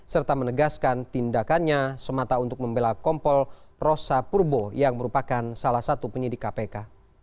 serta menegaskan tindakannya semata untuk membela kompol rosa purbo yang merupakan salah satu penyidik kpk